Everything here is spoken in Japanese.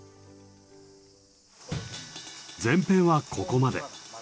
前編はここまで。